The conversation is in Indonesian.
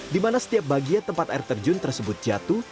di mana setiap bagian tempat air terjun tersebut jatuh